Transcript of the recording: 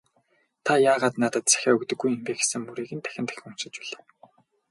"Та яагаад надад захиа өгдөггүй юм бэ» гэсэн мөрийг нь дахин дахин уншиж билээ.